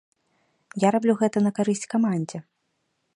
Я раблю гэта на карысць камандзе.